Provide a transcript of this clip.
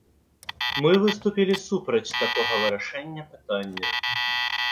Мы выступілі супраць такога вырашэння пытання.